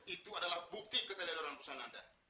itu adalah bukti keteladaran perusahaan anda